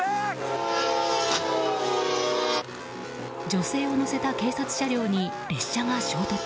女性を乗せた警察車両に列車が衝突。